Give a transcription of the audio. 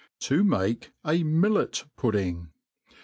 To make a MilUuPudding.